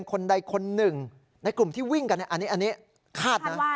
คาดว่านะ